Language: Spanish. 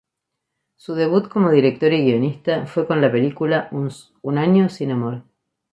Su debut como directora y guionista fue con la película "Un año sin amor".